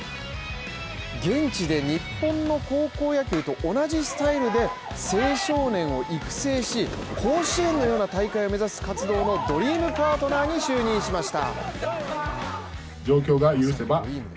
現地で日本の高校野球と同じスタイルで、青少年を育成し、甲子園のような大会を目指す活動のドリームパートナーに就任しました。